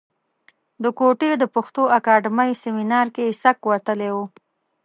د کوټې د پښتو اکاډمۍ سیمنار کې یې سک وتلی و.